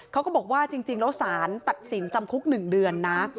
ก็บอกว่าจริงแล้วสารตัดสินจำคุก๑เดือนนะ